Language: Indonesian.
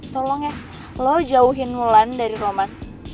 tolong ya lo jauhin mulan dari roman